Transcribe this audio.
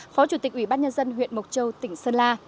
phó chủ tịch ủy ban nhân dân huyện mộc châu tỉnh sơn la